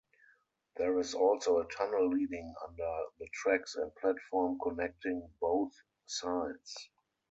There is also a tunnel leading under the tracks and platform connecting both sides.